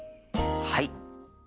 はい！